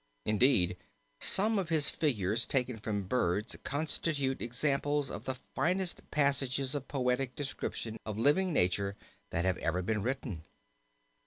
Indeed some of his figures taken from birds constitute examples of the finest passages of poetic description of living nature that have ever been written.